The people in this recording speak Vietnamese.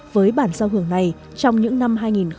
với bản giao hưởng này trong những năm hai nghìn bảy hai nghìn tám